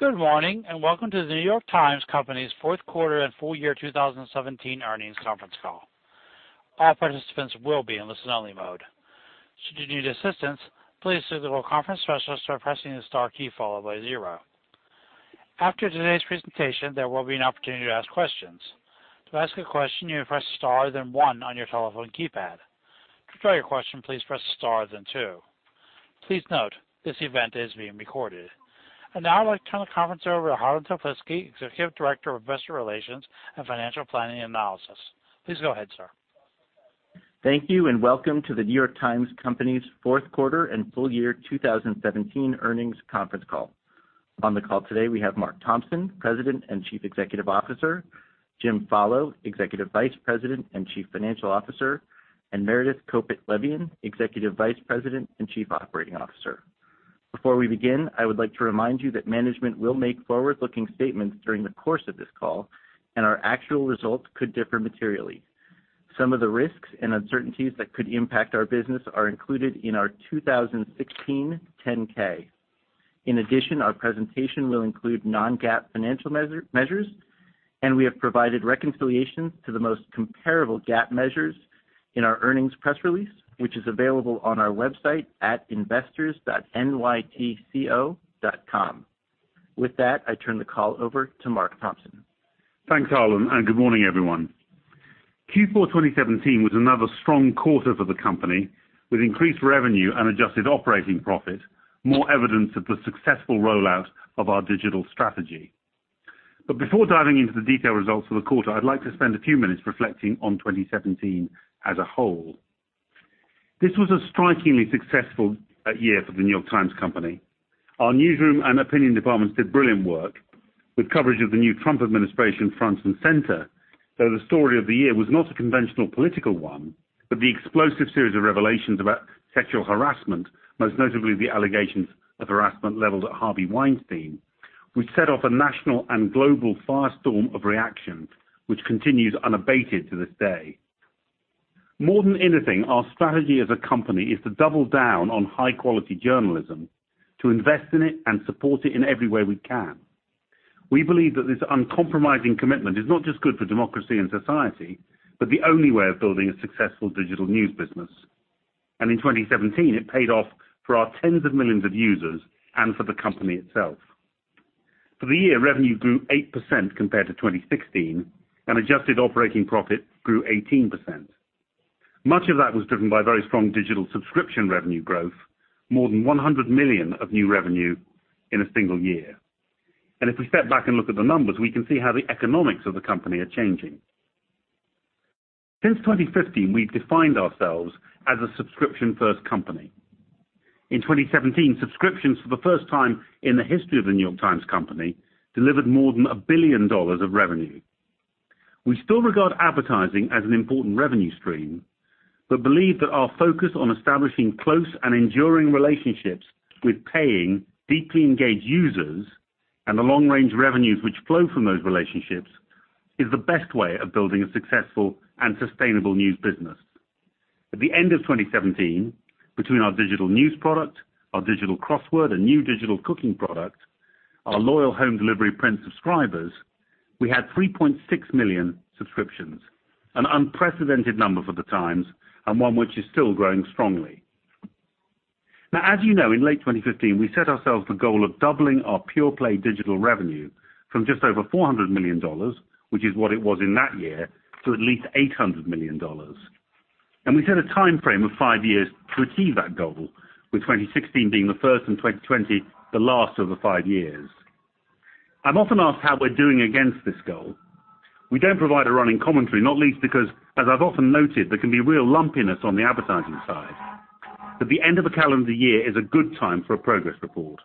Good morning, and welcome to The New York Times Company's fourth quarter and full year 2017 earnings conference call. All participants will be in listen-only mode. Should you need assistance, please signal conference specialists by pressing the star key followed by zero. After today's presentation, there will be an opportunity to ask questions. To ask a question, you press star then one on your telephone keypad. To withdraw your question, please press star then two. Please note, this event is being recorded. Now I'd like to turn the conference over to Harlan Toplitzky, Executive Director of Investor Relations and Financial Planning Analysis. Please go ahead, sir. Thank you, and welcome to The New York Times Company's fourth quarter and full year 2017 earnings conference call. On the call today, we have Mark Thompson, President and Chief Executive Officer, Jim Follo, Executive Vice President and Chief Financial Officer, and Meredith Kopit Levien, Executive Vice President and Chief Operating Officer. Before we begin, I would like to remind you that management will make forward-looking statements during the course of this call, and our actual results could differ materially. Some of the risks and uncertainties that could impact our business are included in our 2016 10-K. In addition, our presentation will include non-GAAP financial measures, and we have provided reconciliations to the most comparable GAAP measures in our earnings press release, which is available on our website at investors.nytco.com. With that, I turn the call over to Mark Thompson. Thanks, Harlan, and good morning, everyone. Q4 2017 was another strong quarter for the company, with increased revenue and adjusted operating profit, more evidence of the successful rollout of our digital strategy. Before diving into the detailed results for the quarter, I'd like to spend a few minutes reflecting on 2017 as a whole. This was a strikingly successful year for The New York Times Company. Our newsroom and opinion departments did brilliant work with coverage of the new Trump administration front and center. Though the story of the year was not a conventional political one, but the explosive series of revelations about sexual harassment, most notably the allegations of harassment leveled at Harvey Weinstein, which set off a national and global firestorm of reactions, which continues unabated to this day. More than anything, our strategy as a company is to double down on high-quality journalism, to invest in it and support it in every way we can. We believe that this uncompromising commitment is not just good for democracy and society, but the only way of building a successful digital news business. In 2017, it paid off for our tens of millions of users and for the company itself. For the year, revenue grew 8% compared to 2016, and adjusted operating profit grew 18%. Much of that was driven by very strong digital subscription revenue growth, more than $100 million of new revenue in a single year. If we step back and look at the numbers, we can see how the economics of the company are changing. Since 2015, we've defined ourselves as a subscription-first company. In 2017, subscriptions for the first time in the history of The New York Times Company delivered more than $1 billion of revenue. We still regard advertising as an important revenue stream, but believe that our focus on establishing close and enduring relationships with paying deeply engaged users and the long-range revenues which flow from those relationships is the best way of building a successful and sustainable news business. At the end of 2017, between our digital news product, our digital crossword, a new digital cooking product, our loyal home delivery print subscribers, we had 3.6 million subscriptions, an unprecedented number for The Times, and one which is still growing strongly. Now, as you know, in late 2015, we set ourselves the goal of doubling our pure play digital revenue from just over $400 million, which is what it was in that year, to at least $800 million. We set a time frame of five years to achieve that goal, with 2016 being the first and 2020 the last of the five years. I'm often asked how we're doing against this goal. We don't provide a running commentary, not least because, as I've often noted, there can be real lumpiness on the advertising side, but the end of a calendar year is a good time for a progress report.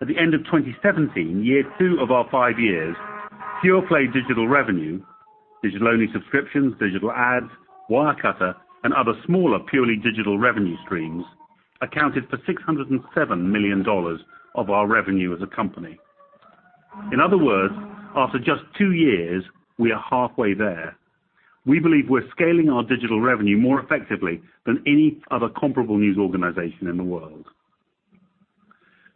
At the end of 2017, year two of our five years, pure play digital revenue, digital-only subscriptions, digital ads, Wirecutter and other smaller, purely digital revenue streams accounted for $607 million of our revenue as a company. In other words, after just two years, we are halfway there. We believe we're scaling our digital revenue more effectively than any other comparable news organization in the world.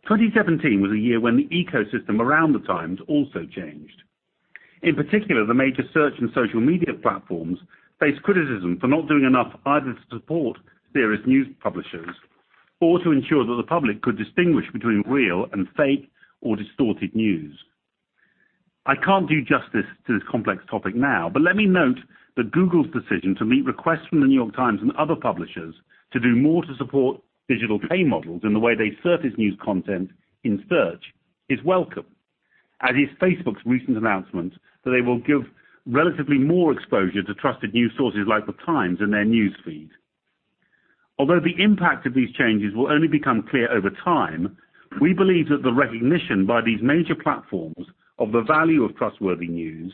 2017 was a year when the ecosystem around The Times also changed. In particular, the major search and social media platforms faced criticism for not doing enough either to support serious news publishers or to ensure that the public could distinguish between real and fake or distorted news. I can't do justice to this complex topic now, but let me note that Google's decision to meet requests from The New York Times and other publishers to do more to support digital pay models in the way they surface news content in search is welcome, as is Facebook's recent announcement that they will give relatively more exposure to trusted news sources like The Times in their news feed. Although the impact of these changes will only become clear over time, we believe that the recognition by these major platforms of the value of trustworthy news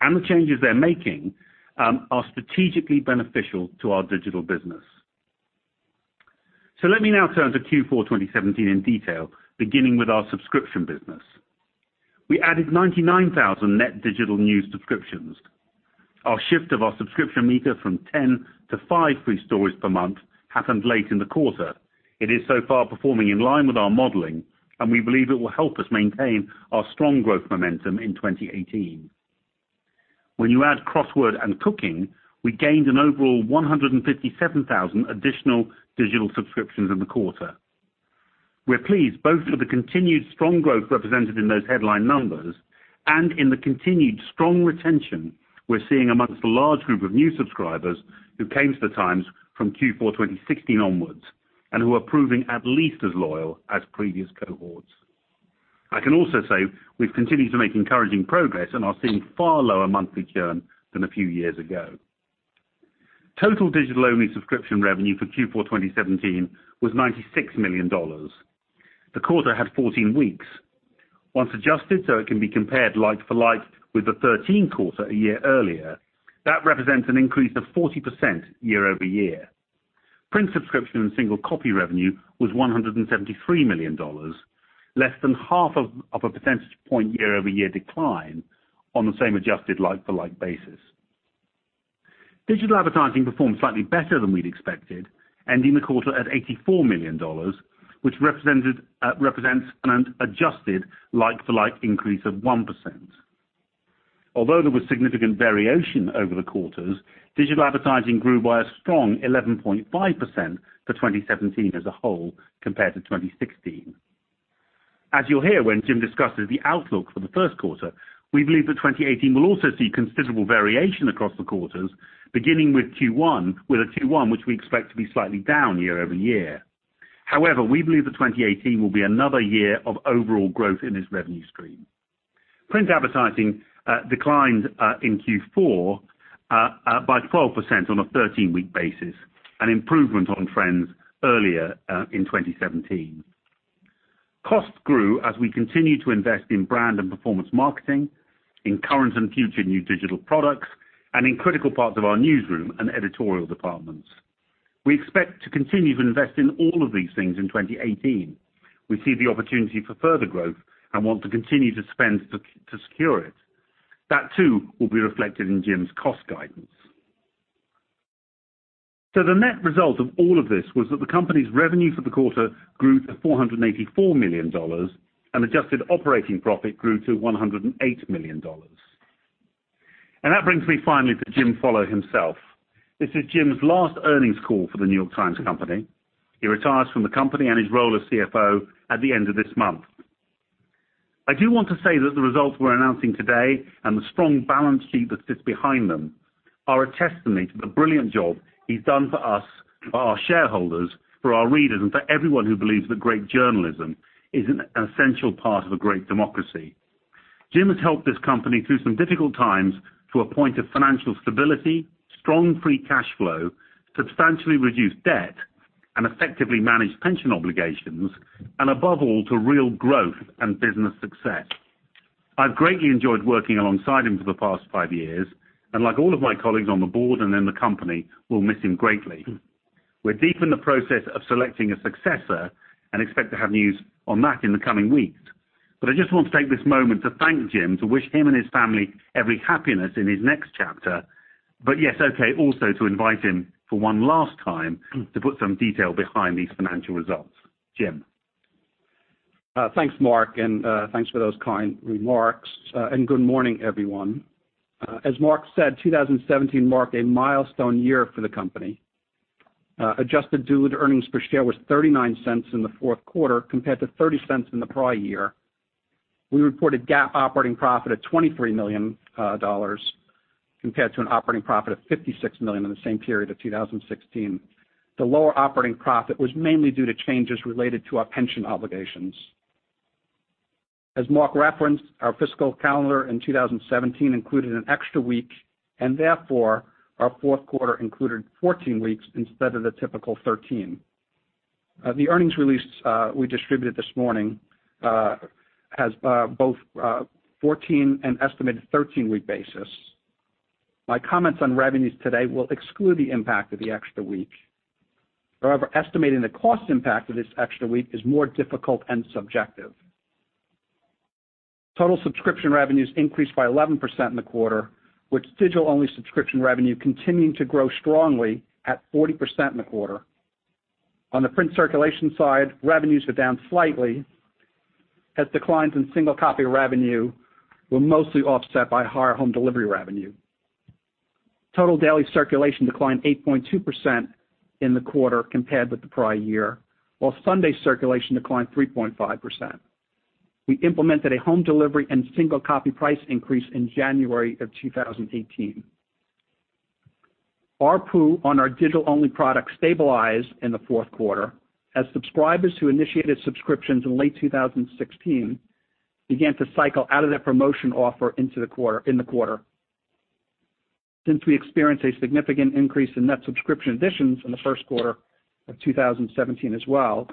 and the changes they're making are strategically beneficial to our digital business. Let me now turn to Q4 2017 in detail, beginning with our subscription business. We added 99,000 net digital news subscriptions. Our shift of our subscription meter from 10 to five free stories per month happened late in the quarter. It is so far performing in line with our modeling, and we believe it will help us maintain our strong growth momentum in 2018. When you add Crossword and Cooking, we gained an overall 157,000 additional digital subscriptions in the quarter. We're pleased both with the continued strong growth represented in those headline numbers and in the continued strong retention we're seeing among a large group of new subscribers who came to The Times from Q4 2016 onwards, and who are proving at least as loyal as previous cohorts. I can also say we've continued to make encouraging progress and are seeing far lower monthly churn than a few years ago. Total digital-only subscription revenue for Q4 2017 was $96 million. The quarter had 14 weeks. Once adjusted, so it can be compared like-for-like with the 13-week quarter a year earlier, that represents an increase of 40% year-over-year. Print subscription and single copy revenue was $173 million, less than half a percentage point year-over-year decline on the same adjusted like-for-like basis. Digital advertising performed slightly better than we'd expected, ending the quarter at $84 million, which represents an adjusted like-for-like increase of 1%. Although there was significant variation over the quarters, digital advertising grew by a strong 11.5% for 2017 as a whole, compared to 2016. As you'll hear when Jim discusses the outlook for the first quarter, we believe that 2018 will also see considerable variation across the quarters, beginning with Q1, which we expect to be slightly down year-over-year. However, we believe that 2018 will be another year of overall growth in this revenue stream. Print advertising declined in Q4 by 12% on a 13-week basis, an improvement on trends earlier in 2017. Costs grew as we continued to invest in brand and performance marketing, in current and future new digital products, and in critical parts of our newsroom and editorial departments. We expect to continue to invest in all of these things in 2018. We see the opportunity for further growth and want to continue to spend to secure it. That too will be reflected in Jim's cost guidance. The net result of all of this was that the company's revenue for the quarter grew to $484 million, and adjusted operating profit grew to $108 million. That brings me finally to Jim Follo himself. This is Jim's last earnings call for The New York Times Company. He retires from the company and his role as CFO at the end of this month. I do want to say that the results we're announcing today and the strong balance sheet that sits behind them are a testimony to the brilliant job he's done for us, for our shareholders, for our readers, and for everyone who believes that great journalism is an essential part of a great democracy. Jim has helped this company through some difficult times to a point of financial stability, strong free cash flow, substantially reduced debt, and effectively managed pension obligations, and, above all, to real growth and business success. I've greatly enjoyed working alongside him for the past five years, and like all of my colleagues on the board and in the company, we'll miss him greatly. We're deep in the process of selecting a successor and expect to have news on that in the coming weeks. I just want to take this moment to thank Jim, to wish him and his family every happiness in his next chapter. Yes, okay, also to invite him for one last time to put some detail behind these financial results. Jim. Thanks, Mark, and thanks for those kind remarks, and good morning, everyone. As Mark said, 2017 marked a milestone year for the company. Adjusted diluted earnings per share was $0.39 in the fourth quarter, compared to $0.30 in the prior year. We reported GAAP operating profit at $23 million compared to an operating profit of $56 million in the same period of 2016. The lower operating profit was mainly due to changes related to our pension obligations. As Mark referenced, our fiscal calendar in 2017 included an extra week, and therefore our fourth quarter included 14 weeks instead of the typical 13. The earnings release we distributed this morning has both 14 and estimated 13-week basis. My comments on revenues today will exclude the impact of the extra week. However, estimating the cost impact of this extra week is more difficult and subjective. Total subscription revenues increased by 11% in the quarter, with digital-only subscription revenue continuing to grow strongly at 40% in the quarter. On the print circulation side, revenues were down slightly as declines in single-copy revenue were mostly offset by higher home delivery revenue. Total daily circulation declined 8.2% in the quarter compared with the prior year, while Sunday circulation declined 3.5%. We implemented a home delivery and single copy price increase in January of 2018. ARPU on our digital-only products stabilized in the fourth quarter as subscribers who initiated subscriptions in late 2016 began to cycle out of that promotion offer in the quarter. Since we experienced a significant increase in net subscription additions in the first quarter of 2017 as well,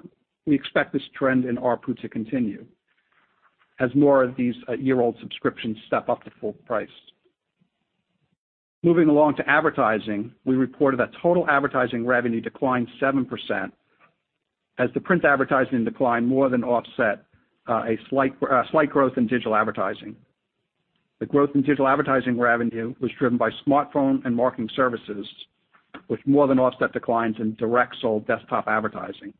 we expect this trend in ARPU to continue as more of these year-old subscriptions step up to full price. Moving along to advertising, we reported that total advertising revenue declined 7%, as the print advertising decline more than offset a slight growth in digital advertising. The growth in digital advertising revenue was driven by smartphone and marketing services, which more than offset declines in direct-sold desktop advertising.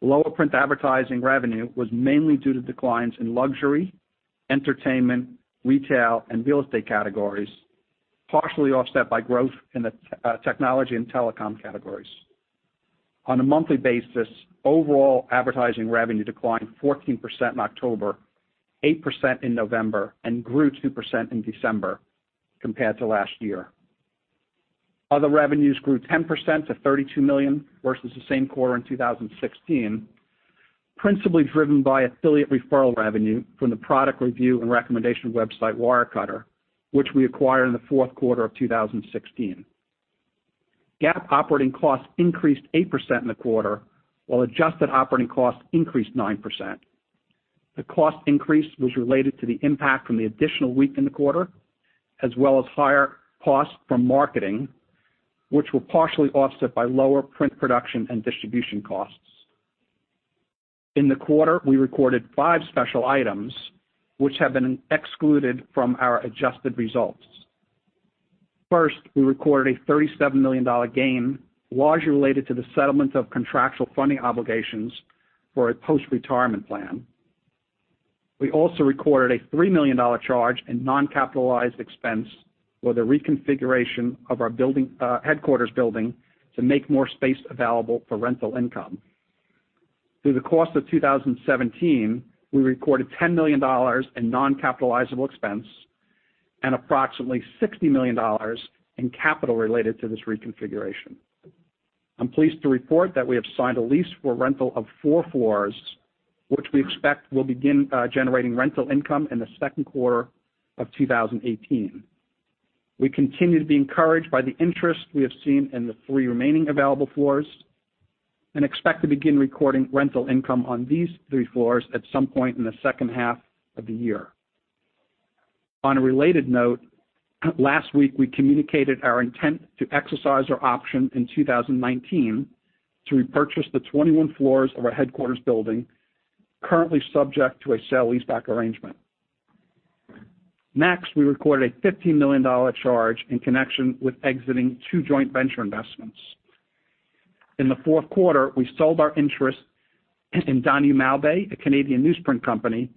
Lower print advertising revenue was mainly due to declines in luxury, entertainment, retail, and real estate categories, partially offset by growth in the technology and telecom categories. On a monthly basis, overall advertising revenue declined 14% in October, 8% in November, and grew 2% in December compared to last year. Other revenues grew 10% to $32 million, versus the same quarter in 2016, principally driven by affiliate referral revenue from the product review and recommendation website Wirecutter, which we acquired in the fourth quarter of 2016. GAAP operating costs increased 8% in the quarter, while adjusted operating costs increased 9%. The cost increase was related to the impact from the additional week in the quarter, as well as higher costs from marketing, which were partially offset by lower print production and distribution costs. In the quarter, we recorded five special items, which have been excluded from our adjusted results. First, we recorded a $37 million gain, largely related to the settlement of contractual funding obligations for a post-retirement plan. We also recorded a $3 million charge in non-capitalized expense for the reconfiguration of our headquarters building to make more space available for rental income. Through the course of 2017, we recorded $10 million in non-capitalizable expense and approximately $60 million in capital related to this reconfiguration. I'm pleased to report that we have signed a lease for rental of four floors, which we expect will begin generating rental income in the second quarter of 2018. We continue to be encouraged by the interest we have seen in the three remaining available floors and expect to begin recording rental income on these three floors at some point in the second half of the year. On a related note, last week, we communicated our intent to exercise our option in 2019 to repurchase the 21 floors of our headquarters building, currently subject to a sale-leaseback arrangement. Next, we recorded a $15 million charge in connection with exiting two joint venture investments. In the fourth quarter, we sold our interest in Donohue Malbaie, a Canadian newsprint company,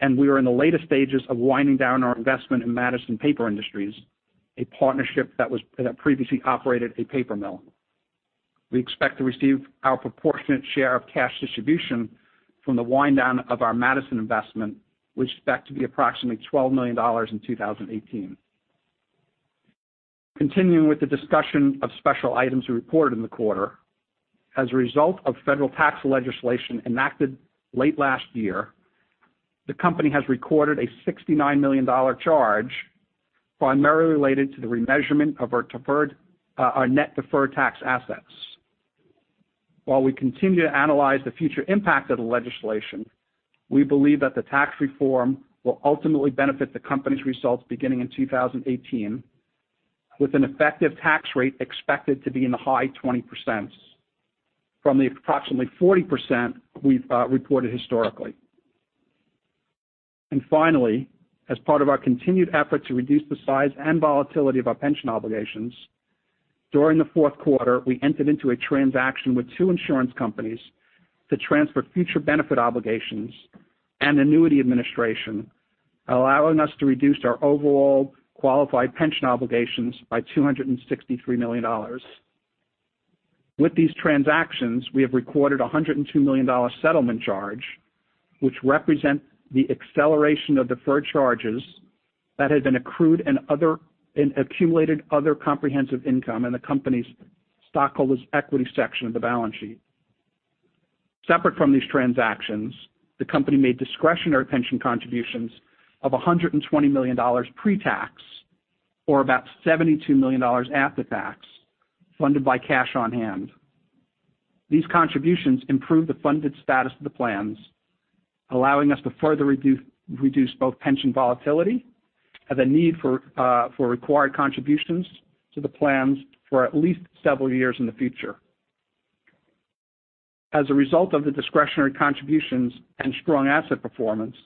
and we are in the latter stages of winding down our investment in Madison Paper Industries, a partnership that previously operated a paper mill. We expect to receive our proportionate share of cash distribution from the wind-down of our Madison investment, which we expect to be approximately $12 million in 2018. Continuing with the discussion of special items we reported in the quarter, as a result of federal tax legislation enacted late last year, the company has recorded a $69 million charge, primarily related to the remeasurement of our net deferred tax assets. While we continue to analyze the future impact of the legislation, we believe that the tax reform will ultimately benefit the company's results beginning in 2018, with an effective tax rate expected to be in the high 20% from the approximately 40% we've reported historically. Finally, as part of our continued effort to reduce the size and volatility of our pension obligations, during the fourth quarter, we entered into a transaction with two insurance companies to transfer future benefit obligations and annuity administration, allowing us to reduce our overall qualified pension obligations by $263 million. With these transactions, we have recorded a $102 million settlement charge, which represent the acceleration of deferred charges that had been accrued in accumulated other comprehensive income in the company's stockholders' equity section of the balance sheet. Separate from these transactions, the company made discretionary pension contributions of $120 million pre-tax, or about $72 million after tax, funded by cash on hand. These contributions improve the funded status of the plans, allowing us to further reduce both pension volatility and the need for required contributions to the plans for at least several years in the future. As a result of the discretionary contributions and strong asset performance,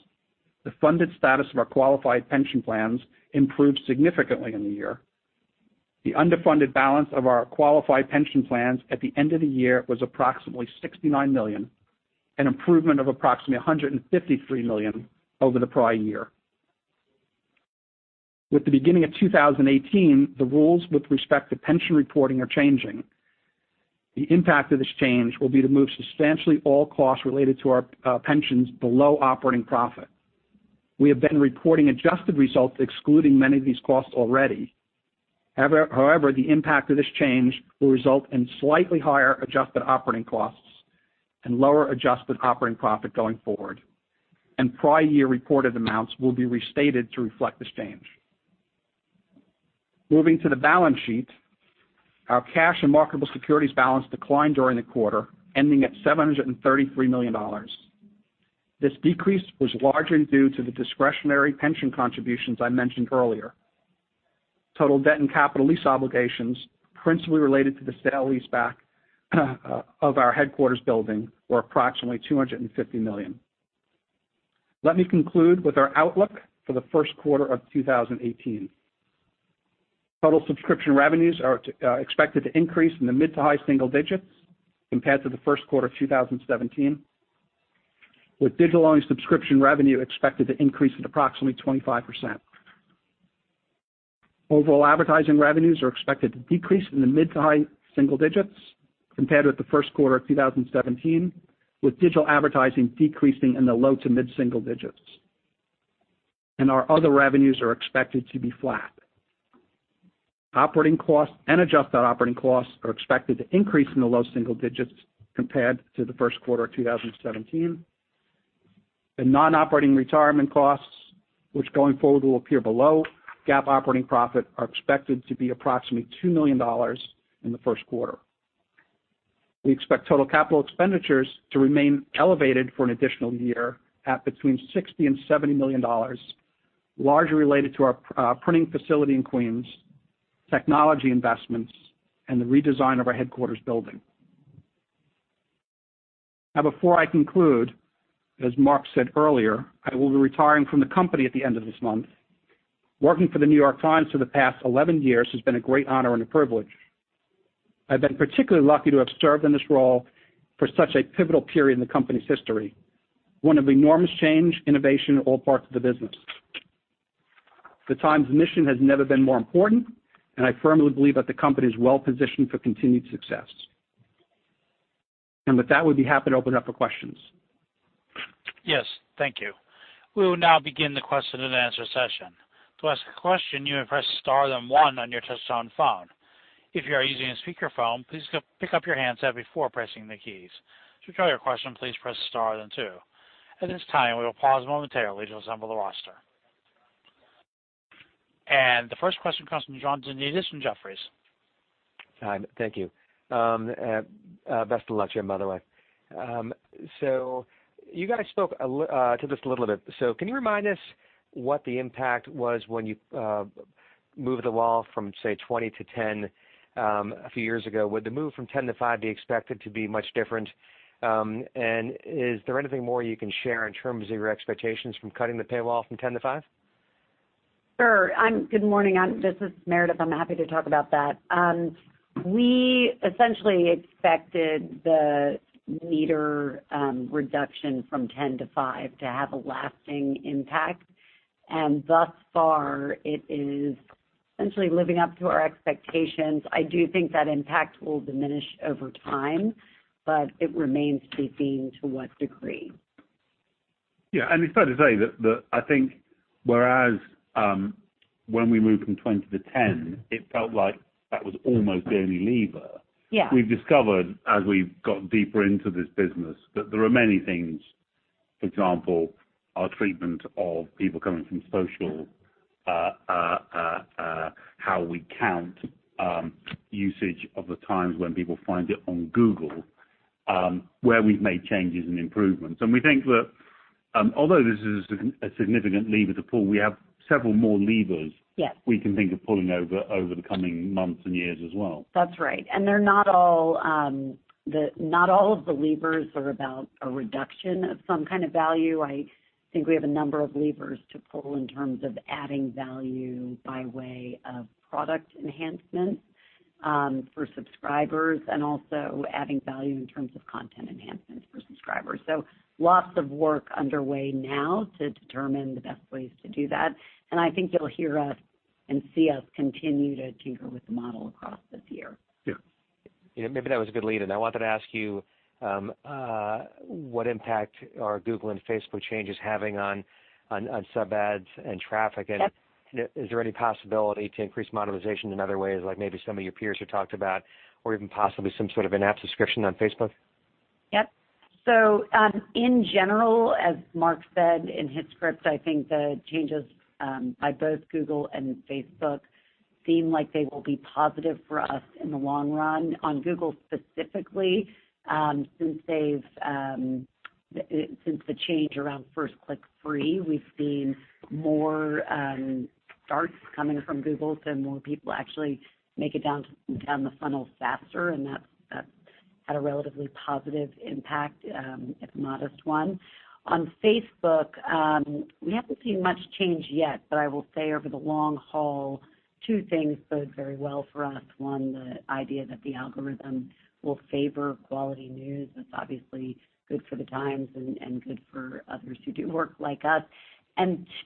the funded status of our qualified pension plans improved significantly in the year. The underfunded balance of our qualified pension plans at the end of the year was approximately $69 million, an improvement of approximately $153 million over the prior year. With the beginning of 2018, the rules with respect to pension reporting are changing. The impact of this change will be to move substantially all costs related to our pensions below operating profit. We have been reporting adjusted results excluding many of these costs already. However, the impact of this change will result in slightly higher adjusted operating costs and lower adjusted operating profit going forward. Prior year reported amounts will be restated to reflect this change. Moving to the balance sheet, our cash and marketable securities balance declined during the quarter, ending at $733 million. This decrease was largely due to the discretionary pension contributions I mentioned earlier. Total debt and capital lease obligations, principally related to the sale-leaseback of our headquarters building, were approximately $250 million. Let me conclude with our outlook for the first quarter of 2018. Total subscription revenues are expected to increase in the mid- to high-single digits compared to the first quarter of 2017, with digital-only subscription revenue expected to increase at approximately 25%. Overall advertising revenues are expected to decrease in the mid- to high-single digits compared with the first quarter of 2017, with digital advertising decreasing in the low- to mid-single digits. Our other revenues are expected to be flat. Operating costs and adjusted operating costs are expected to increase in the low single digits compared to the first quarter of 2017. The non-operating retirement costs, which going forward will appear below GAAP operating profit, are expected to be approximately $2 million in the first quarter. We expect total capital expenditures to remain elevated for an additional year at between $60 million-$70 million, largely related to our printing facility in Queens, technology investments, and the redesign of our headquarters building. Now, before I conclude, as Mark said earlier, I will be retiring from the company at the end of this month. Working for The New York Times for the past 11 years has been a great honor and a privilege. I've been particularly lucky to have served in this role for such a pivotal period in the company's history, one of enormous change, innovation in all parts of the business. The Times' mission has never been more important, and I firmly believe that the company is well-positioned for continued success. With that, we'd be happy to open up for questions. Yes. Thank you. We will now begin the question and answer session. To ask a question, you may press star then one on your touchtone phone. If you are using a speakerphone, please pick up your handset before pressing the keys. To withdraw your question, please press star then two. At this time, we will pause momentarily to assemble the roster. The first question comes from John Janedis from Jefferies. Hi, thank you. Best of luck to you, by the way. You guys spoke to this a little bit. Can you remind us what the impact was when you moved the wall from, say, 20 to 10 a few years ago? Would the move from 10 to five be expected to be much different? And is there anything more you can share in terms of your expectations from cutting the paywall from 10 to five? Sure. Good morning. This is Meredith. I'm happy to talk about that. We essentially expected the meter reduction from 10 to five to have a lasting impact, and thus far it is essentially living up to our expectations. I do think that impact will diminish over time, but it remains to be seen to what degree. Yeah, it's fair to say that I think, whereas when we moved from 20 to 10, it felt like that was almost the only lever. Yeah. We've discovered, as we've got deeper into this business, that there are many things, for example, our treatment of people coming from social, how we count usage of The Times when people find it on Google, where we've made changes and improvements. We think that although this is a significant lever to pull, we have several more levers. Yes We can think of pulling over the coming months and years as well. That's right. Not all of the levers are about a reduction of some kind of value. I think we have a number of levers to pull in terms of adding value by way of product enhancements for subscribers, and also adding value in terms of content enhancements for subscribers. Lots of work underway now to determine the best ways to do that, and I think you'll hear us and see us continue to tinker with the model across this year. Yeah. Maybe that was a good lead-in. I wanted to ask you what impact are Google and Facebook changes having on sub-ads and traffic? Yep. Is there any possibility to increase monetization in other ways, like maybe some of your peers have talked about or even possibly some sort of in-app subscription on Facebook? Yep. In general, as Mark said in his script, I think the changes by both Google and Facebook seem like they will be positive for us in the long run. On Google specifically, since the change around First Click Free, we've seen more starts coming from Google, so more people actually make it down the funnel faster, and that's had a relatively positive impact, if a modest one. On Facebook, we haven't seen much change yet, but I will say over the long haul, two things bode very well for us. One, the idea that the algorithm will favor quality news. That's obviously good for The Times and good for others who do work like us.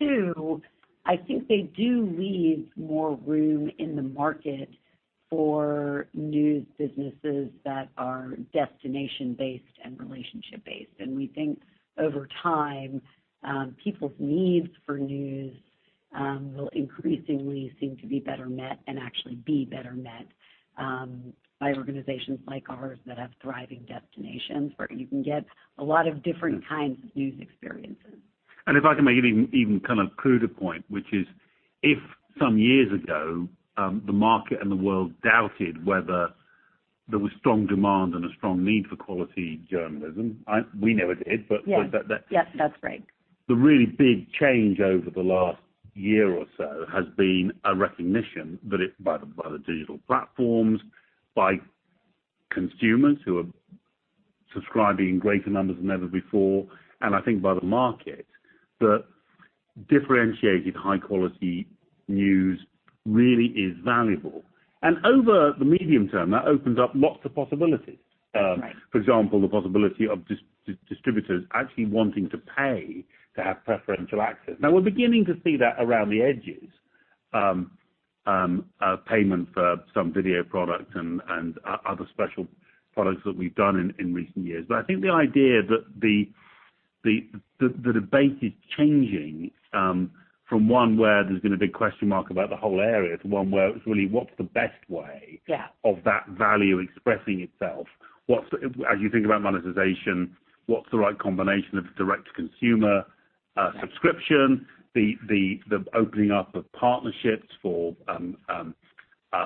Two, I think they do leave more room in the market for news businesses that are destination-based and relationship-based. We think over time, people's needs for news will increasingly seem to be better met and actually be better met by organizations like ours that have thriving destinations where you can get a lot of different kinds of news experiences. If I can make an even cruder point, which is if some years ago, the market and the world doubted whether there was strong demand and a strong need for quality journalism, we never did. Yes. That's right. The really big change over the last year or so has been a recognition by the digital platforms, by consumers who are subscribing in greater numbers than ever before, and I think by the market, that differentiated high-quality news really is valuable. Over the medium term, that opens up lots of possibilities. Right. For example, the possibility of distributors actually wanting to pay to have preferential access. Now we're beginning to see that around the edges, payment for some video products and other special products that we've done in recent years. I think the idea that the debate is changing from one where there's been a big question mark about the whole area to one where it's really what's the best way of that value expressing itself. As you think about monetization, what's the right combination of direct consumer subscription, the opening up of partnerships for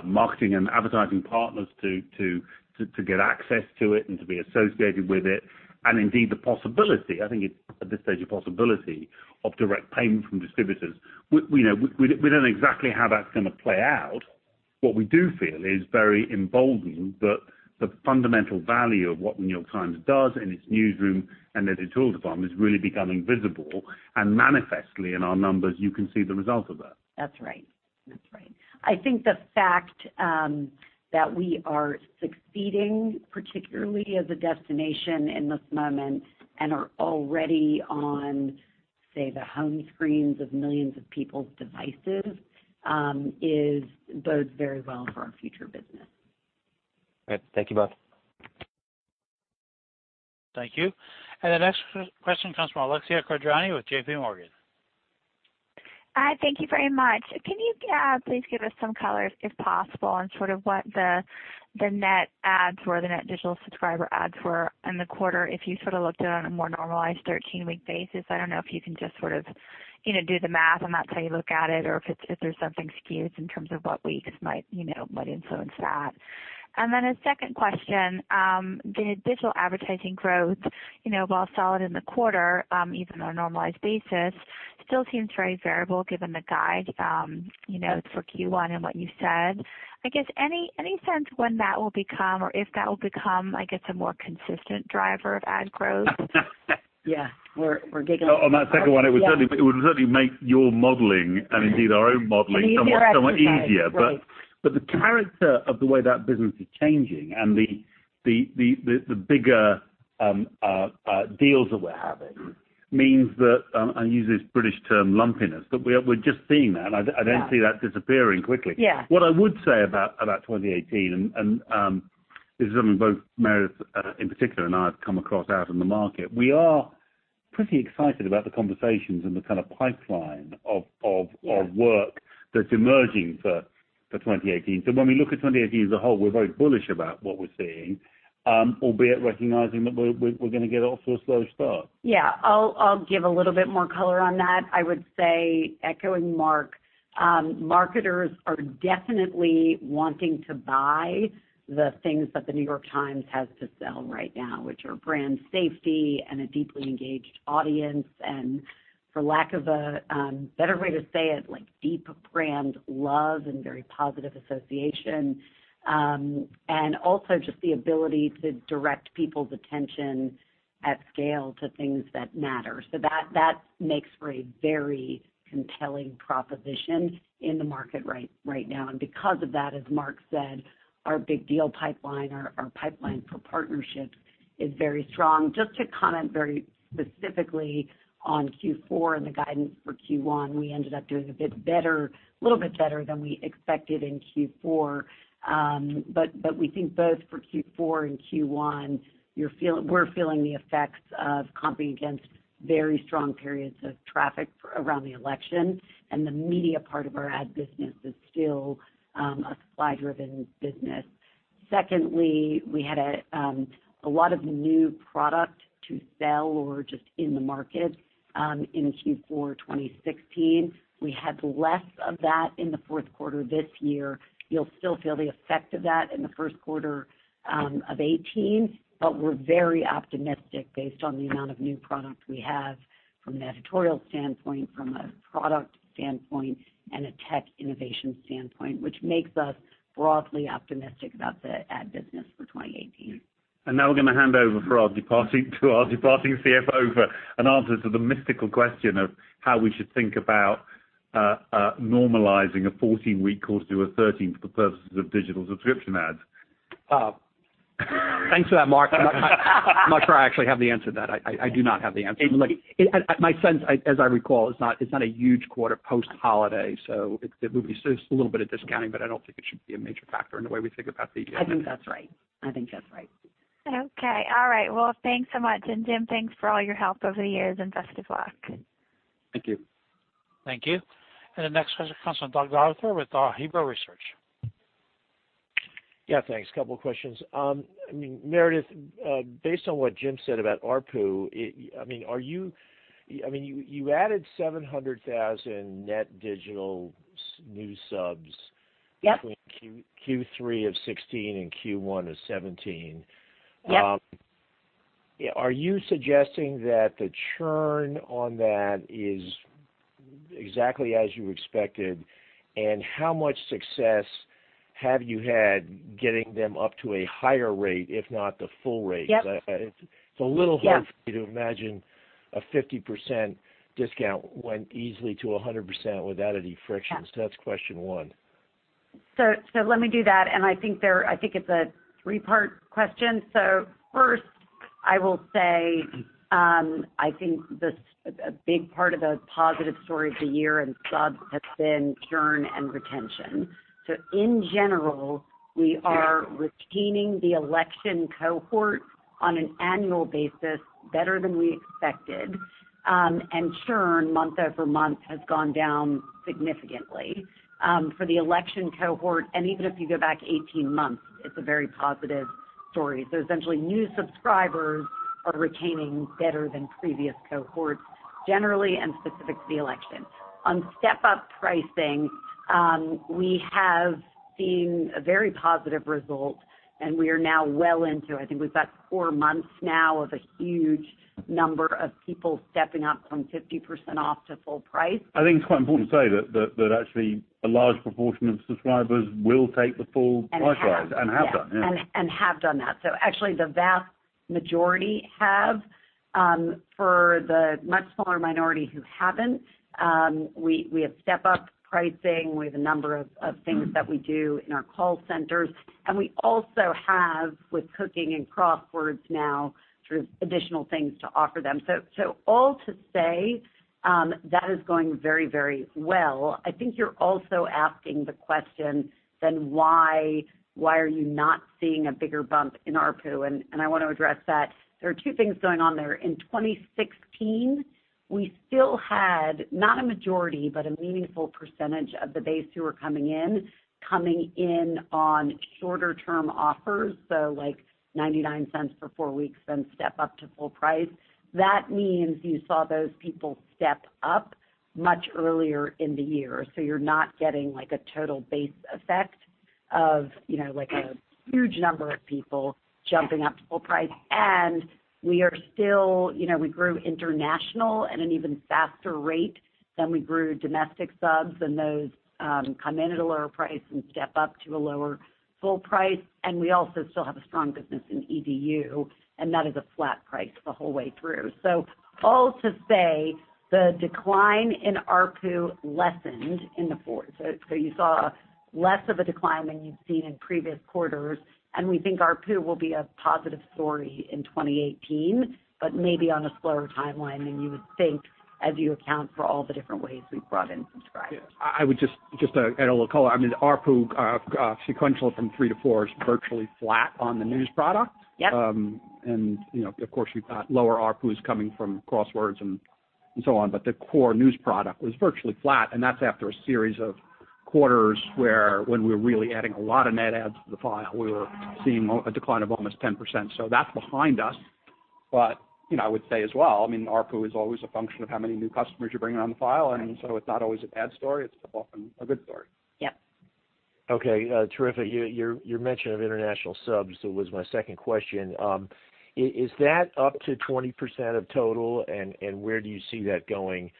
marketing and advertising partners to get access to it and to be associated with it, and indeed, the possibility, I think it's at this stage, a possibility of direct payment from distributors. We don't know exactly how that's going to play out. What we do feel is very emboldened that the fundamental value of what New York Times does in its newsroom and the editorial department is really becoming visible and manifestly in our numbers; you can see the result of that. That's right. I think the fact that we are succeeding, particularly as a destination in this moment and are already on, say, the home screens of millions of people's devices, bodes very well for our future business. Great. Thank you both. Thank you. The next question comes from Alexia Quadrani with JPMorgan. Hi, thank you very much. Can you please give us some color, if possible, on sort of what the net adds were, the net digital subscriber adds were in the quarter, if you sort of looked at it on a more normalized 13-week basis? I don't know if you can just sort of do the math on that. That's how you look at it, or if there's something skewed in terms of what weeks might influence that. A second question, the digital advertising growth, while solid in the quarter, even on a normalized basis, still seems very variable given the guide for Q1 and what you said. I guess any sense when that will become or if that will become, I guess, a more consistent driver of ad growth? Yeah. We're giggling. On that second one, it would certainly make your modeling and, indeed, our own modeling somewhat easier. Right. The character of the way that business is changing and the bigger deals that we're having means that I use this British term, lumpiness, but we're just seeing that, and I don't see that disappearing quickly. Yeah. What I would say about 2018, and this is something both Meredith in particular and I have come across out in the market, we are pretty excited about the conversations and the kind of pipeline of work that's emerging for 2018. When we look at 2018 as a whole, we're very bullish about what we're seeing, albeit recognizing that we're going to get off to a slow start. Yeah. I'll give a little bit more color on that. I would say, echoing Mark, marketers are definitely wanting to buy the things that The New York Times has to sell right now, which are brand safety and a deeply engaged audience, and for lack of a better way to say it, deep brand love and very positive association. Also, just the ability to direct people's attention at scale to things that matter. That makes for a very compelling proposition in the market right now, and because of that, as Mark said, our big deal pipeline, our pipeline for partnerships, is very strong. Just to comment very specifically on Q4 and the guidance for Q1, we ended up doing a little bit better than we expected in Q4. We think both for Q4 and Q1, we're feeling the effects of competing against very strong periods of traffic around the election, and the media part of our ad business is still a supply-driven business. Secondly, we had a lot of new product to sell or just in the market in Q4 2016. We had less of that in the fourth quarter this year. You'll still feel the effect of that in the first quarter of 2018, but we're very optimistic based on the amount of new product we have from an editorial standpoint, from a product standpoint, and a tech innovation standpoint, which makes us broadly optimistic about the ad business for 2018. Now we're going to hand over to our departing CFO for an answer to the mystical question of how we should think about normalizing a 14-week quarter to a 13 for the purposes of digital subscription ads. Thanks for that, Mark. I'm not sure I actually have the answer to that. I do not have the answer. My sense, as I recall, it's not a huge quarter post-holiday, so there will be a little bit of discounting, but I don't think it should be a major factor in the way we think about the. I think that's right. Okay. All right. Well, thanks so much. Jim, thanks for all your help over the years, and best of luck. Thank you. Thank you. The next question comes from Doug Arthur with Huber Research. Yeah, thanks. Couple questions. Meredith, based on what Jim said about ARPU, you added 700,000 net digital new subs- Yep Between Q3 of 2016 and Q1 of 2017. Yep. Are you suggesting that the churn on that is exactly as you expected? How much success have you had getting them up to a higher rate, if not the full rate? Yep. It's a little hard for me to imagine a 50% discount went easily to 100% without any friction. Yeah. That's question one. Let me do that, and I think it's a three-part question. First, I will say, I think a big part of the positive story of the year in subs has been churn and retention. In general, we are retaining the election cohort on an annual basis better than we expected. Churn month-over-month has gone down significantly for the election cohort, and even if you go back 18 months, it's a very positive story. Essentially, new subscribers are retaining better than previous cohorts, generally and specific to the election. On step-up pricing, we have seen a very positive result, and we are now well into, I think we've got four months now of a huge number of people stepping up from 50% off to full price. I think it's quite important to say that, actually, a large proportion of subscribers will take the full price rise. Have done, yeah. Have done that. Actually, the vast majority have. For the much smaller minority who haven't, we have step-up pricing. We have a number of things that we do in our call centers, and we also have, with Cooking and Crosswords now, sort of additional things to offer them. All to say, that is going very, very well. I think you're also asking the question, then why are you not seeing a bigger bump in ARPU? I want to address that. There are two things going on there. In 2016, we still had, not a majority, but a meaningful percentage of the base who were coming in on shorter-term offers, so like $0.99 for four weeks, then step up to full price. That means you saw those people step up much earlier in the year, so you're not getting a total base effect of a huge number of people jumping up to full price. We grew international at an even faster rate than we grew domestic subs, and those come in at a lower price and step up to a lower full price. We also still have a strong business in EDU, and that is a flat price the whole way through. All to say, the decline in ARPU lessened in the fourth. You saw less of a decline than you'd seen in previous quarters, and we think ARPU will be a positive story in 2018, but maybe on a slower timeline than you would think as you account for all the different ways we've brought in subscribers. I would just add a little color. ARPU, sequential from 3 to 4, is virtually flat on the news product. Yep. Of course, we've got lower ARPUs coming from Crosswords and so on. The core news product was virtually flat, and that's after a series of quarters where when we were really adding a lot of net adds to the file, we were seeing a decline of almost 10%. That's behind us. I would say as well, ARPU is always a function of how many new customers you're bringing on the file. It's not always a bad story; it's often a good story. Yep. Okay, terrific. Your mention of international subs was my second question. Is that up to 20% of total, and where do you see that going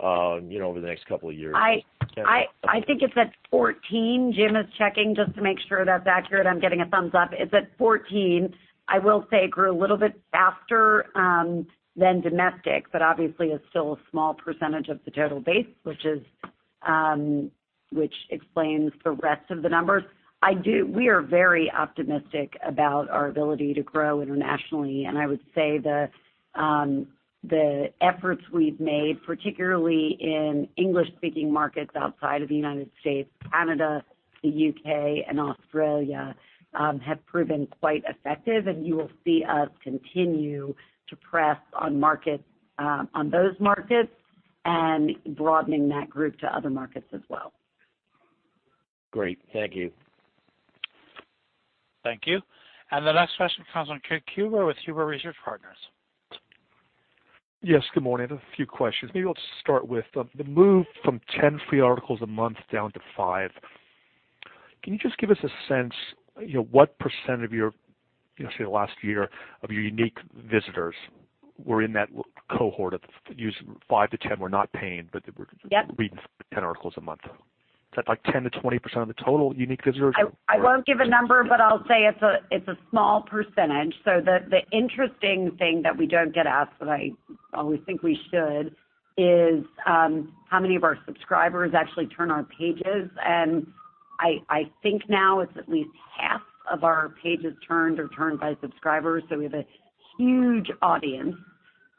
over the next couple of years? I think it's at 14. Jim is checking just to make sure that's accurate. I'm getting a thumbs up. It's at 14. I will say it grew a little bit faster than domestic, but obviously is still a small percentage of the total base, which explains the rest of the numbers. We are very optimistic about our ability to grow internationally, and I would say the efforts we've made, particularly in English-speaking markets outside of the United States, Canada, the U.K., and Australia, have proven quite effective, and you will see us continue to press on those markets and broadening that group to other markets as well. Great. Thank you. Thank you. The next question comes from Craig Huber with Huber Research Partners. Yes, good morning. A few questions. Maybe I'll start with the move from 10 free articles a month down to five. Can you just give us a sense, what percent of your, say, last year, of your unique visitors were in that cohort of users, five to 10, were not paying, but were Yep Reading 10 articles a month. Is that like 10%-20% of the total unique visitors? I won't give a number, but I'll say it's a small percentage. The interesting thing that we don't get asked that I always think we should is, how many of our subscribers actually turn our pages. I think now it's at least half of our pages turned are turned by subscribers. We have a huge audience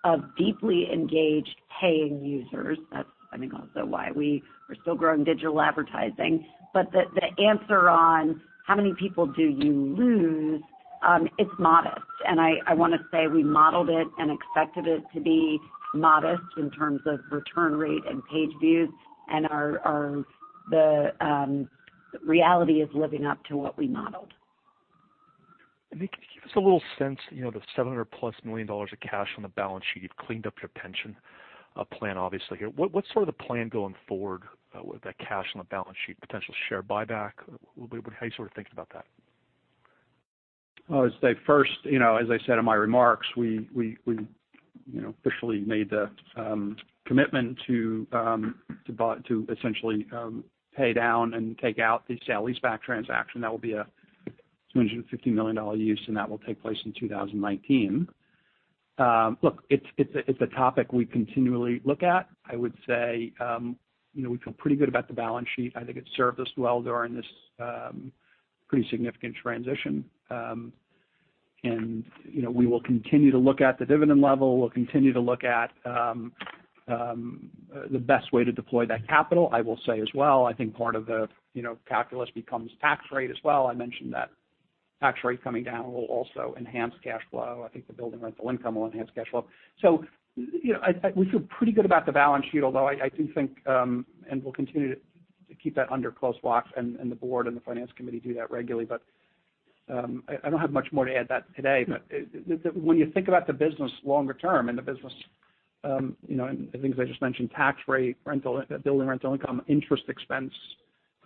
of deeply engaged, paying users. That's also why we are still growing digital advertising. The answer on how many people do you lose? It's modest, and I want to say we modeled it and expected it to be modest in terms of return rate and page views, and the reality is living up to what we modeled. Can you give us a little sense, the $700+ million of cash on the balance sheet? You've cleaned up your pension plan, obviously, here. What's sort of the plan going forward with that cash on the balance sheet, potential share buyback? How are you sort of thinking about that? I would say first, as I said in my remarks, we officially made the commitment to essentially pay down and take out the sale and leaseback transaction. That will be a $250 million use, and that will take place in 2019. Look, it's a topic we continually look at. I would say we feel pretty good about the balance sheet. I think it served us well during this pretty significant transition. We will continue to look at the dividend level, we'll continue to look at the best way to deploy that capital. I will say as well, I think part of the calculus becomes tax rate as well. I mentioned that tax rate coming down will also enhance cash flow. I think the building rental income will enhance cash flow. We feel pretty good about the balance sheet, although I do think we'll continue to keep that under close watch, and the board and the finance committee do that regularly. I don't have much more to add to that today. When you think about the business longer term and the business, the things I just mentioned, tax rate, building rental income, interest expense,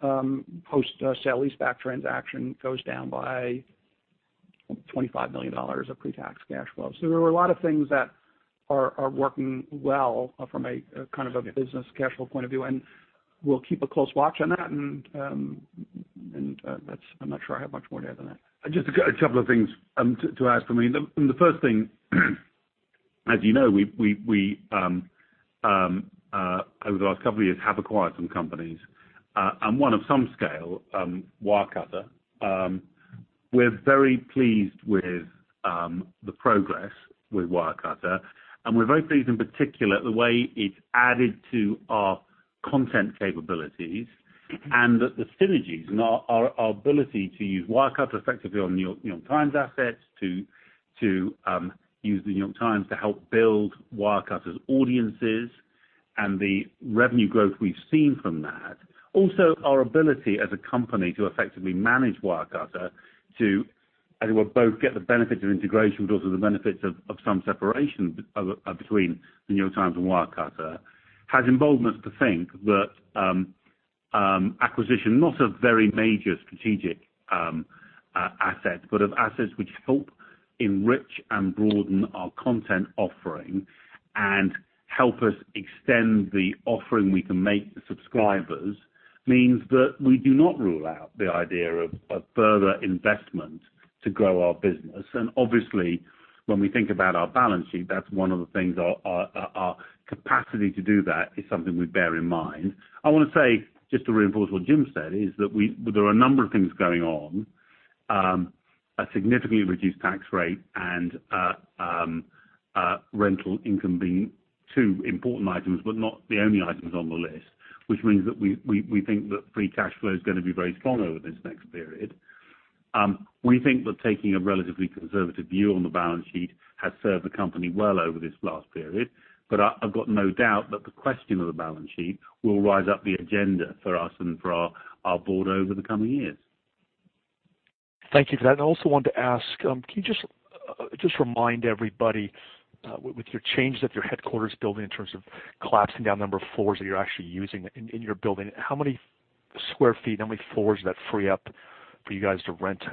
post-sale leaseback transaction goes down by $25 million of pre-tax cash flow. There are a lot of things that are working well from a kind of business cash flow point of view, and we'll keep a close watch on that, and I'm not sure I have much more to add than that. Just a couple of things to add for me. The first thing, as you know, we over the last couple of years have acquired some companies, and one of some scale, Wirecutter. We're very pleased with the progress with Wirecutter, and we're very pleased, in particular, the way it's added to our content capabilities and that the synergies and our ability to use Wirecutter effectively on The New York Times assets to use The New York Times to help build Wirecutter's audiences and the revenue growth we've seen from that. Also, our ability as a company to effectively manage Wirecutter to, as it were, both get the benefits of integration, but also the benefits of some separation between The New York Times and Wirecutter, has emboldened us to think that acquisition, not of very major strategic assets, but of assets which help enrich and broaden our content offering and help us extend the offering we can make to subscribers, means that we do not rule out the idea of further investment to grow our business. Obviously, when we think about our balance sheet, that's one of the things our capacity to do that is something we bear in mind. I want to say, just to reinforce what Jim said, that there are a number of things going on. A significantly reduced tax rate and rental income being two important items, but not the only items on the list, which means that we think that free cash flow is going to be very strong over this next period. We think that taking a relatively conservative view on the balance sheet has served the company well over this last period, but I've got no doubt that the question of the balance sheet will rise up the agenda for us and for our board over the coming years. Thank you for that. I also wanted to ask, can you just remind everybody with your changes at your headquarters building in terms of collapsing down the number of floors that you're actually using in your building, how many square feet, how many floors does that free up for you guys to rent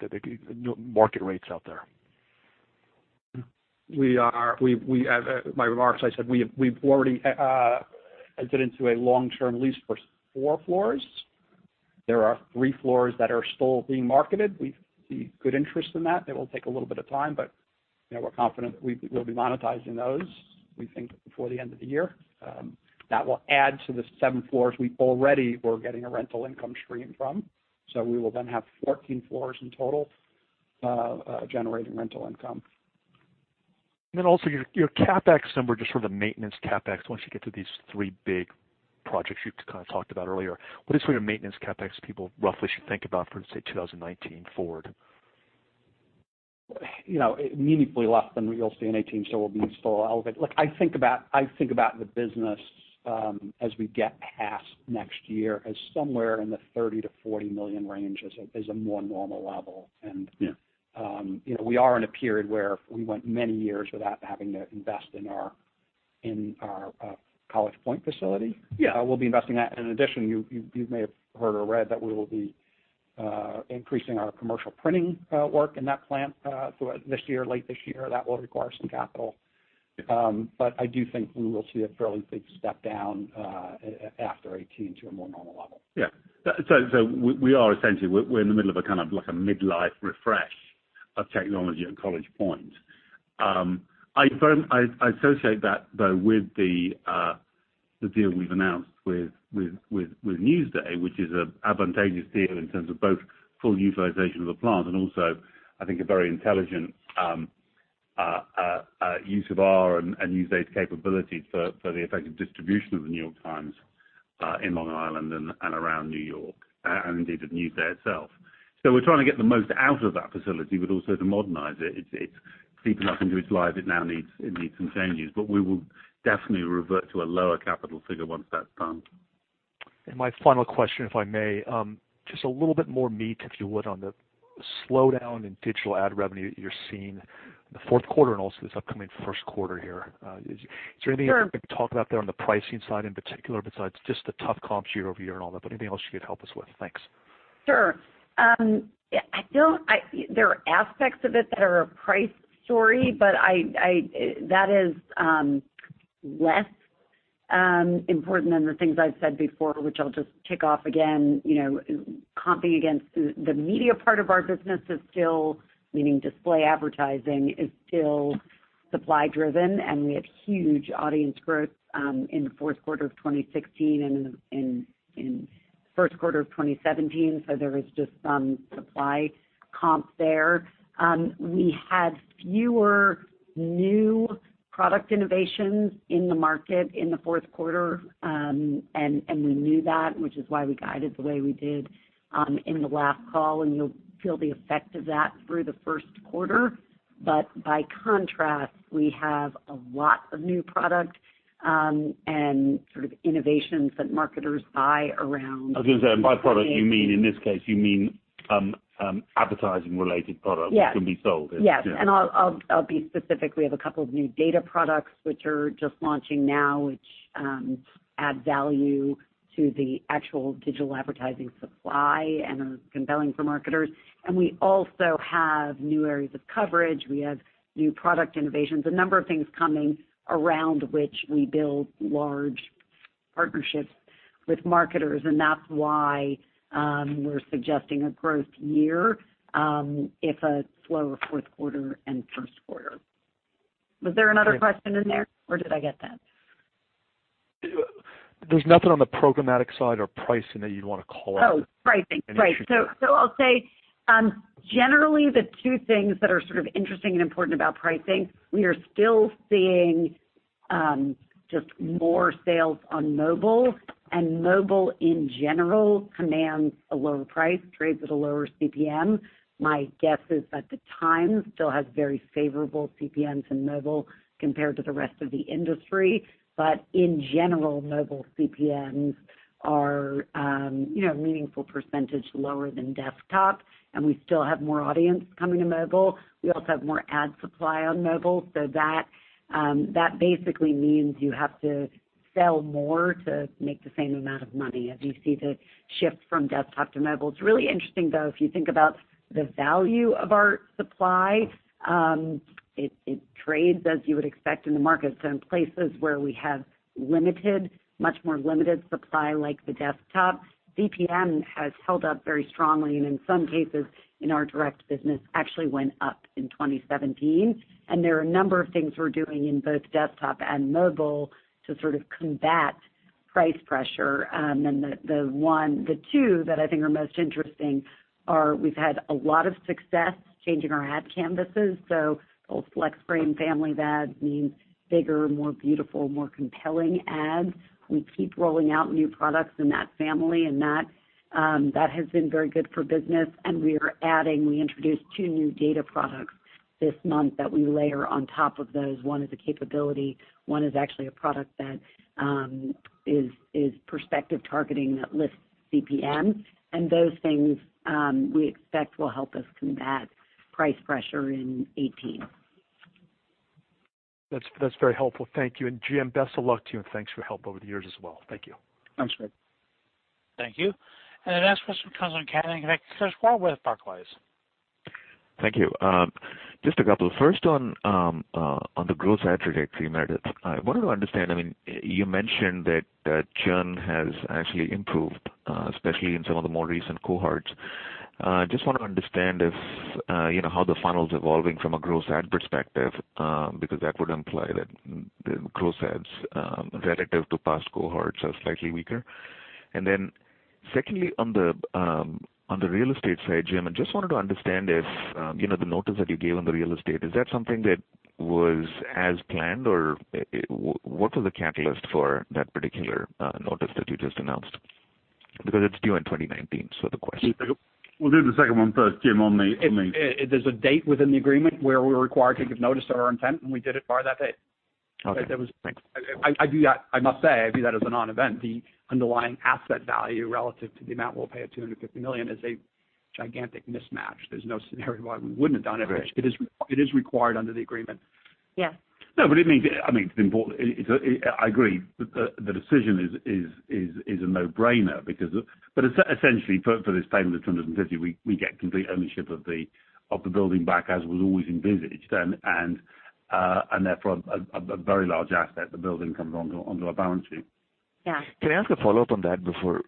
at market rates out there? In my remarks, I said we've already entered into a long-term lease for four floors. There are three floors that are still being marketed. We see good interest in that. It will take a little bit of time, but we're confident we'll be monetizing those, we think, before the end of the year. That will add to the seven floors we already were getting a rental income stream from. We will then have 14 floors in total, generating rental income. Your CapEx number, just sort of the maintenance CapEx, once you get to these three big projects you kind of talked about earlier, what is sort of maintenance CapEx people roughly should think about for, say, 2019 forward? Meaningfully less than what you'll see in 2018, so it will be still elevated. Look, I think about the business as we get past next year as somewhere in the $30 million-$40 million range is a more normal level, and we are in a period where we went many years without having to invest in our College Point facility. We'll be investing that. In addition, you may have heard or read that we will be increasing our commercial printing work in that plant this year, late this year. That will require some capital. I do think we will see a fairly big step down after 2018 to a more normal level. Yeah. We are essentially in the middle of a kind of midlife refresh of technology at College Point. I associate that, though, with the deal we've announced with Newsday, which is an advantageous deal in terms of both full utilization of the plant and also, I think, a very intelligent use of our and Newsday's capabilities for the effective distribution of The New York Times in Long Island and around New York, and indeed of Newsday itself. We're trying to get the most out of that facility, but also to modernize it. It's creeping up into its life. It now needs some changes, but we will definitely revert to a lower capital figure once that's done. My final question, if I may, just a little bit more meat, if you would, on the slowdown in digital ad revenue that you're seeing in the fourth quarter and also this upcoming first quarter here? Sure. Is there anything you can talk about there on the pricing side in particular, besides just the tough comps year-over-year and all that, but anything else you could help us with? Thanks. Sure. There are aspects of it that are a price story, but that is less important than the things I've said before, which I'll just kick off again. Comping against the media part of our business, meaning display advertising, is still supply-driven, and we had huge audience growth in the fourth quarter of 2016 and in first quarter of 2017. There is just some supply comps there. We had fewer new product innovations in the market in the fourth quarter, and we knew that, which is why we guided the way we did in the last call, and you'll feel the effect of that through the first quarter. By contrast, we have a lot of new product and sort of innovations that marketers buy around. I was going to say, and by product, in this case, you mean advertising-related products that can be sold. Yes. I'll be specific. We have a couple of new data products which are just launching now, which add value to the actual digital advertising supply and are compelling for marketers. We also have new areas of coverage. We have new product innovations, a number of things coming around which we build large partnerships with marketers, and that's why we're suggesting a growth year if a slower fourth quarter and first quarter. Was there another question in there, or did I get that? There's nothing on the programmatic side or pricing that you'd want to call out? Oh, pricing. Right. Anything. I'll say, generally, the two things that are sort of interesting and important about pricing, we are still seeing just more sales on mobile, and mobile in general commands a lower price, trades at a lower CPM. My guess is that The Times still has very favorable CPMs in mobile compared to the rest of the industry. In general, mobile CPMs are a meaningful percentage lower than desktop, and we still have more audience coming to mobile. We also have more ad supply on mobile. That basically means you have to sell more to make the same amount of money as you see the shift from desktop to mobile. It's really interesting, though, if you think about the value of our supply, it trades, as you would expect, in the market. In places where we have much more limited supply, like the desktop, CPM has held up very strongly, and in some cases, in our direct business, actually went up in 2017. There are a number of things we're doing in both desktop and mobile to sort of combat price pressure. The two that I think are most interesting are we've had a lot of success changing our ad canvases. Those Flex Frame family of ads means bigger, more beautiful, more compelling ads. We keep rolling out new products in that family, and that has been very good for business. We are adding; we introduced two new data products this month that we layer on top of those. One is a capability, one is actually a product that is prospect targeting that lifts CPM. Those things we expect will help us combat price pressure in 2018. That's very helpful. Thank you. Jim, best of luck to you, and thanks for your help over the years as well. Thank you. Thanks, Craig. Thank you. The next question comes on from Kannan Venkateshwar from Barclays. Thank you. Just a couple. First, on the gross add rate for Meredith, I wanted to understand, you mentioned that churn has actually improved, especially in some of the more recent cohorts. Just want to understand how the funnel's evolving from a gross add perspective, because that would imply that the gross adds, relative to past cohorts, are slightly weaker. Secondly, on the real estate side, Jim, I just wanted to understand if the notice that you gave on the real estate is that something that was as planned, or what was the catalyst for that particular notice that you just announced? Because it's due in 2019, so the question. We'll do the second one first, Jim, on the. There's a date within the agreement where we're required to give notice of our intent, and we did it prior to that date. I must say, I view that as a non-event. The underlying asset value relative to the amount we'll pay at $250 million is a gigantic mismatch. There's no scenario why we wouldn't have done it. It is required under the agreement. Yes. No, but it means it's important. I agree. The decision is a no-brainer. Essentially, for this payment of $250, we get complete ownership of the building back as was always envisaged, and therefore, a very large asset, the building, comes onto our balance sheet. Yeah. Can I ask a follow-up on that before,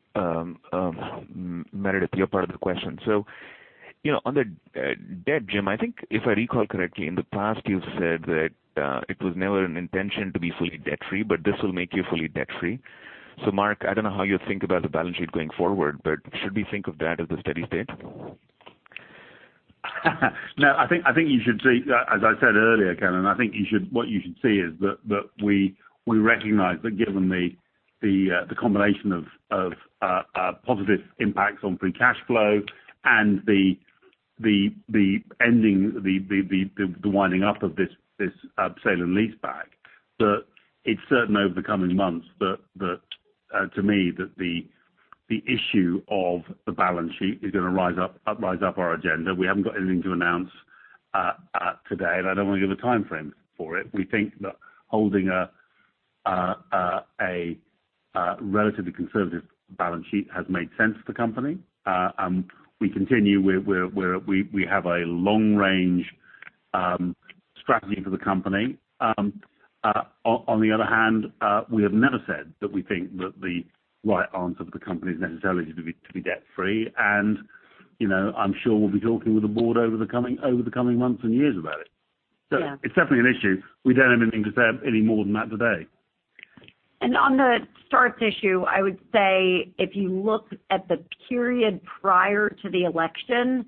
Meredith, your part of the question? On the debt, Jim, I think if I recall correctly, in the past, you've said that it was never an intention to be fully debt-free, but this will make you fully debt-free. Mark, I don't know how you think about the balance sheet going forward, but should we think of that as the steady state? No, I think you should see, as I said earlier, Kannan, and I think what you should see is that we recognize that given the combination of positive impacts on free cash flow and the ending, the winding up of this sale and lease back, that it's certain over the coming months that, to me, that the issue of the balance sheet is going to rise up our agenda. We haven't got anything to announce today, and I don't want to give a timeframe for it. We think that holding a relatively conservative balance sheet has made sense for the company. We continue, we have a long-range strategy for the company. On the other hand, we have never said that we think that the right answer for the company is necessarily to be debt-free. I'm sure we'll be talking with the board over the coming months and years about it. Yeah. It's definitely an issue. We don't have anything to say any more than that today. On the starts issue, I would say if you look at the period prior to the election,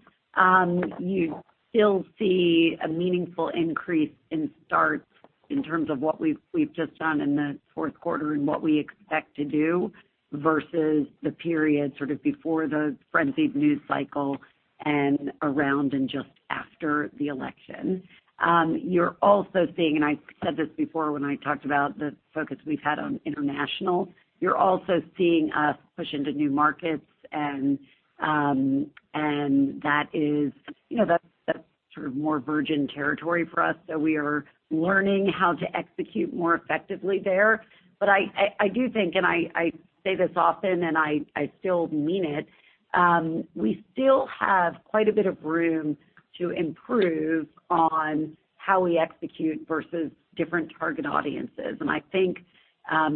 you still see a meaningful increase in starts in terms of what we've just done in the fourth quarter and what we expect to do versus the period sort of before the frenzied news cycle and around and just after the election. You're also seeing, and I said this before when I talked about the focus we've had on international, you're also seeing us push into new markets, and that's sort of more virgin territory for us, so we are learning how to execute more effectively there. I do think, and I say this often, and I still mean it, we still have quite a bit of room to improve on how we execute versus different target audiences. I think,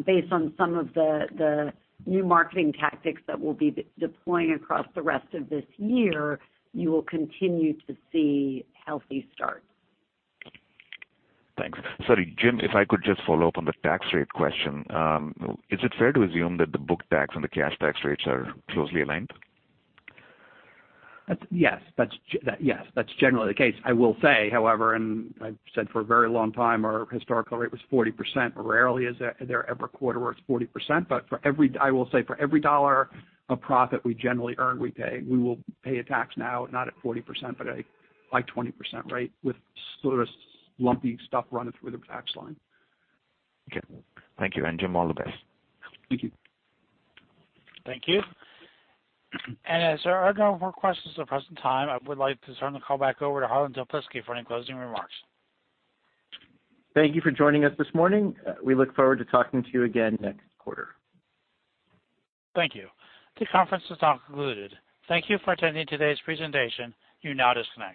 based on some of the new marketing tactics that we'll be deploying across the rest of this year, you will continue to see healthy starts. Thanks. Sorry, Jim, if I could just follow up on the tax rate question. Is it fair to assume that the book tax and the cash tax rates are closely aligned? Yes. That's generally the case. I will say, however, and I've said for a very long time, our historical rate was 40%. Rarely is there ever a quarter where it's 40%, but I will say for every $1 of profit we generally earn, we pay. We will pay a tax now, not at 40%, but like a 20% rate with sort of lumpy stuff running through the tax line. Okay. Thank you. Jim, all the best. Thank you. Thank you. As there are no more questions at the present time, I would like to turn the call back over to Harlan Toplitzky for any closing remarks. Thank you for joining us this morning. We look forward to talking to you again next quarter. Thank you. The conference is now concluded. Thank you for attending today's presentation. You now disconnect.